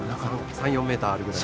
３４ｍあるぐらい。